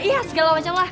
iya segala macem lah